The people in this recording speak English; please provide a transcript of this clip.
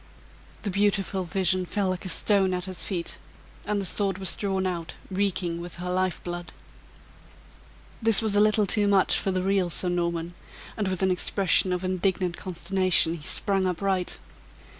The beautiful vision fell like a stone at his feet, and the sword was drawn out reeking with her life blood. This was a little too much for the real Sir Norman, and with an expression of indignant consternation, he sprang upright.